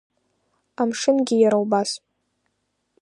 Амшынгьы иара убас.